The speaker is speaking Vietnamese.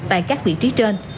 tại các vị trí trên